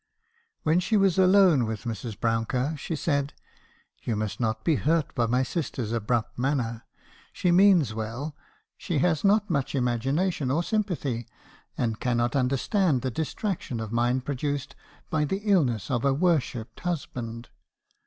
When she was alone with Mrs. Brouncker, she said —"' You must not be hurt by my sister's abrupt manner. She means well. She has not much imagination or sympathy, and cannot understand the distraction of mind produced by the ill ness of a worshipped husband.'